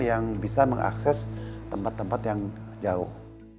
yang bisa mengakses tempat tempat yang jauh